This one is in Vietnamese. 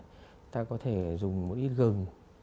người ta có thể dùng một ít gừng